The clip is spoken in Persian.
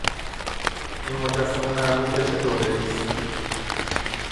این مجسمه مربوط به چه دوره ای است؟